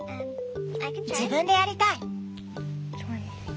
自分でやりたい。